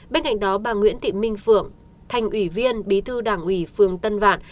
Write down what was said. bên cạnh đó bà nguyễn thị minh phượng thành ủy viên bí thư đảng ủy phường tân vạn